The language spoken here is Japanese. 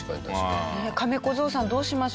カメ小僧さんどうしましょう？